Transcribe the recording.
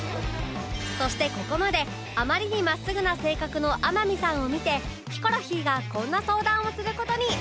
そしてここまであまりに真っすぐな性格の天海さんを見てヒコロヒーがこんな相談をする事に！